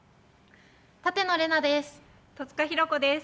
舘野伶奈です。